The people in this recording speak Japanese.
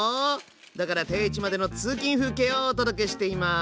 だから定位置までの通勤風景をお届けしています。